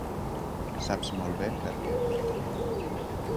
Saps molt bé per què.